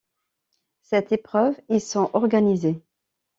Sept épreuves y sont organisées.